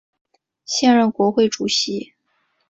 现任国会主席。